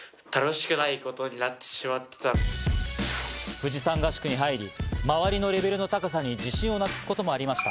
富士山合宿に入り、周りのレベルの高さに自信をなくすこともありました。